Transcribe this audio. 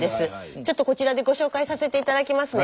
ちょっとこちらでご紹介させて頂きますね。